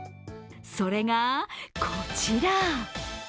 それがこちら。